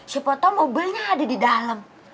siapa tau mobilnya ada di dalam